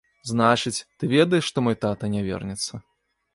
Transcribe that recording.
Значыць, ты ведаеш, што мой тата не вернецца.